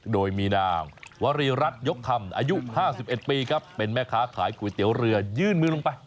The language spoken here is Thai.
โดยมีนางวรีรัฐยกธรรมอายุ๕๑ปีครับเป็นแม่ค้าขายก๋วยเตี๋ยวเรือยื่นมือลงไป